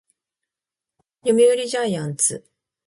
読売ジャイアンツ